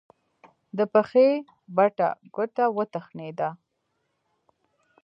د پښې بټه ګوته وتخنېده.